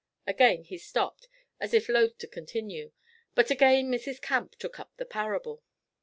Again he stopped, as if loth to continue, but again Mrs. Camp took up the parable.